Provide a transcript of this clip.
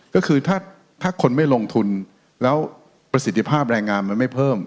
ก็คือถ้าคนไม่ลงทุนแล้วประสิทธิภาพแรงงานมันไม่เพิ่ม